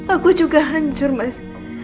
aku juga hancur mas